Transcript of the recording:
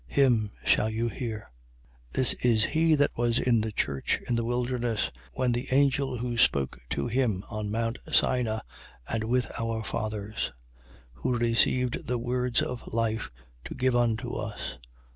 Him shall you hear. 7:38. This is he that was in the church in the wilderness, with the angel who spoke to him on Mount Sina and with our fathers. Who received the words of life to give unto us.